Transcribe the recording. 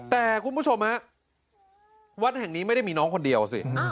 แต่คุณผู้ชมฮะวัดแห่งนี้ไม่ได้มีน้องคนเดียวสิ